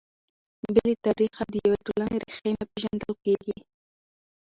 بې له تاریخه د یوې ټولنې ريښې نه پېژندل کیږي.